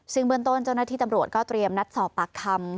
ซึ่งเบื้องต้นเจ้าหน้าที่ตำรวจก็เตรียมนัดสอบปากคำ